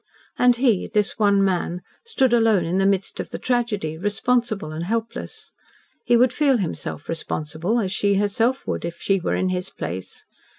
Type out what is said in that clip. And he this one man stood alone in the midst of the tragedy responsible and helpless. He would feel himself responsible as she herself would, if she were in his place.